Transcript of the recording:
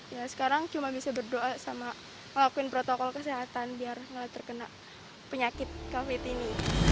ya sekarang cuma bisa berdoa sama ngelakuin protokol kesehatan biar nggak terkena penyakit covid ini